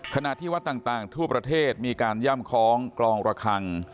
ขณะที่วัดต่างทั่วประเทศมีการย่ำคล้องกลองระคัง